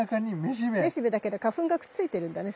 めしべだけど花粉がくっついてるんだね